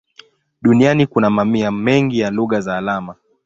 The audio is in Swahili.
Duniani kuna mamia mengi ya lugha za alama.